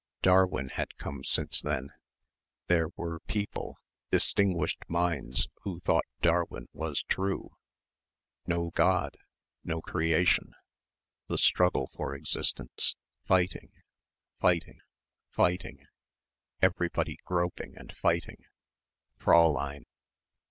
Darwin had come since then. There were people ... distinguished minds, who thought Darwin was true. No God. No Creation. The struggle for existence. Fighting.... Fighting.... Fighting.... Everybody groping and fighting.... Fräulein....